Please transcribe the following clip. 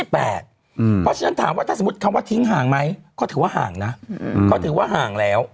เพราะฉะนั้นถามว่าถ้าสมมุติคำว่าทิ้งห่างไหมก็ถือว่าห่างนะเขาถือว่าห่างแล้ว